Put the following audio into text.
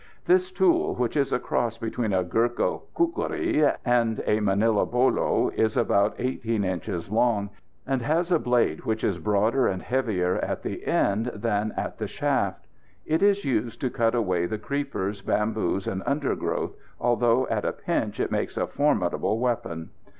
This tool, which is a cross between a Gurkha kookerie and a Manila bolo, is about 18 inches long, and has a blade which is broader and heavier at the end than at the shaft. It is used to cut away the creepers, bamboos, and undergrowth, although at a pinch it makes a formidable weapon.